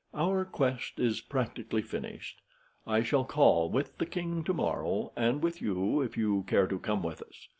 "Our quest is practically finished. I shall call with the king to morrow, and with you, if you care to come with us.